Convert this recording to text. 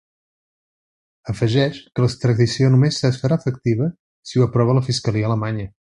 Afegeix que l’extradició solament es farà efectiva si ho aprova la fiscalia alemanya.